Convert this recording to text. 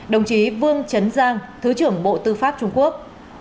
đồng chí vương chấn giang thứ trưởng bộ tư pháp trung quốc